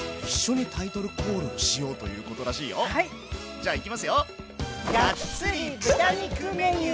じゃあいきますよ！